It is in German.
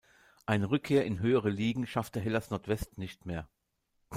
Eine Rückkehr in höhere Ligen schaffte Hellas-Nordwest nicht mehr.